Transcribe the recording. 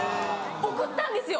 送ったんですよ。